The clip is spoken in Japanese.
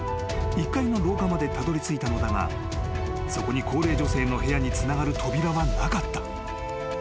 ［１階の廊下までたどりついたのだがそこに高齢女性の部屋につながる扉はなかった］